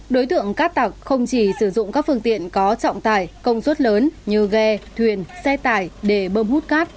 đối tượng cát tặc không chỉ sử dụng các phương tiện có trọng tải công suất lớn như ghe thuyền xe tải để bơm hút cát